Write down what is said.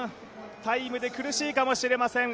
タイムで苦しいかもしれません。